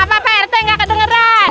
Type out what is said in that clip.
apa pak rt nggak kedengeran